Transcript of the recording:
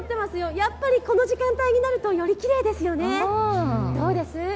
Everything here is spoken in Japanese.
やっぱりこの時間帯になるとよりきれいですよね、どうです？